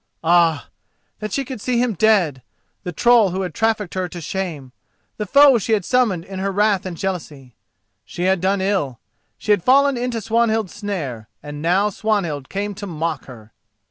Ah! that she could see him dead—the troll who had trafficked her to shame, the foe she had summoned in her wrath and jealousy! She had done ill—she had fallen into Swanhild's snare, and now Swanhild came to mock her!